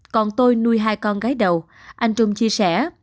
còn tôi nuôi hai con gái đầu anh trung chia sẻ